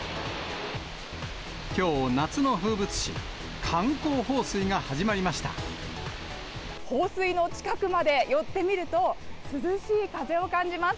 きょう、夏の風物詩、放水の近くまで寄ってみると、涼しい風を感じます。